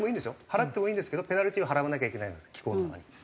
払ってもいいんですけどペナルティーを払わなきゃいけないので機構側に。